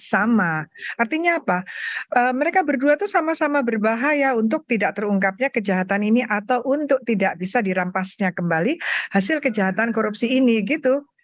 sama artinya apa mereka berdua itu sama sama berbahaya untuk tidak terungkapnya kejahatan ini atau untuk tidak bisa dirampasnya kembali hasil kejahatan korupsi ini gitu